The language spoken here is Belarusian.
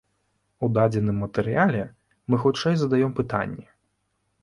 У дадзеным матэрыяле мы, хутчэй, задаём пытанні.